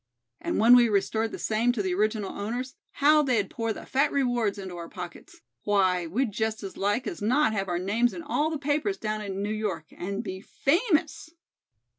And when we restored the same to the original owners, how they'd pour the fat rewards into our pockets. Why, we'd just as like as not have our names in all the papers down in New York, and be _fa_mous."